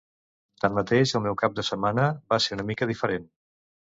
Tanmateix el meu cap de setmana va ser una mica diferent.